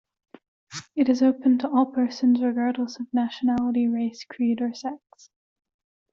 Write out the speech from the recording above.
It is open to all persons regardless of nationality, race, creed or sex.